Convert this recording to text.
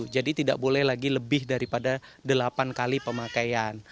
jadi tidak boleh lagi lebih daripada delapan kali pemakaian